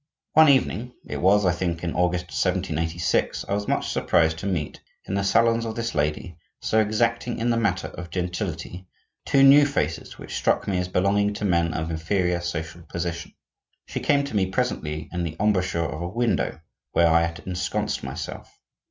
One evening—it was, I think, in August, 1786—I was much surprised to meet in the salons of this lady, so exacting in the matter of gentility, two new faces which struck me as belonging to men of inferior social position. She came to me presently in the embrasure of a window where I had ensconced myself.